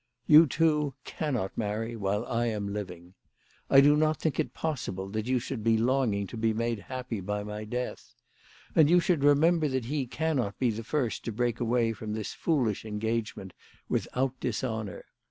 " You two cannot marry while I am living. I do not think it possible that you should be longing to be made happy by my death. And you should remember that he cannot be the first to break away from this foolish engagement without dishonour.